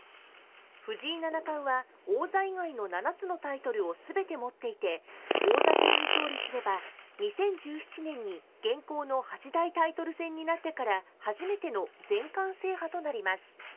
藤井七冠は、王座以外の７つのタイトルをすべて持っていて、王座戦に勝利すれば、２０１７年に現行の八大タイトル戦になってから初めての全冠制覇となります。